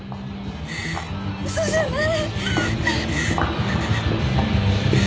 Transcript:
嘘じゃない！